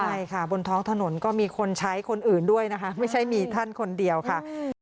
ใช่ค่ะบนท้องถนนก็มีคนใช้คนอื่นด้วยนะคะไม่ใช่มีท่านคนเดียวค่ะ